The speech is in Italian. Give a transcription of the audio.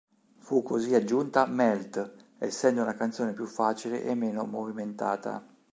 Fu così aggiunta "Melt", essendo una canzone più facile e meno movimentata.